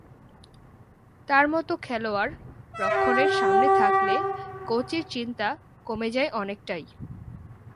তাঁর মতো খেলোয়াড় রক্ষণের সামনে থাকলে কোচের চিন্তা কমে যায় অনেকটাই।